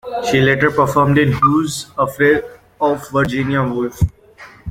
She later performed in Who's Afraid of Virginia Woolf?